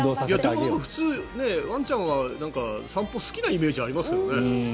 でも普通、ワンちゃんは散歩、好きなイメージありますけどね。